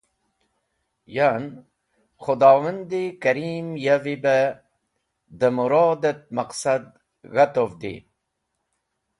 Yan, Khũdhowand-e Karim yavi beh dẽ mũrod et maqsad g̃hadtovdi.